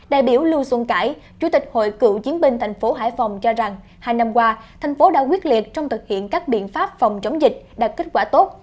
đại biểu lưu xuân cải chủ tịch hội cựu chiến binh thành phố hải phòng cho rằng hai năm qua thành phố đã quyết liệt trong thực hiện các biện pháp phòng chống dịch đạt kết quả tốt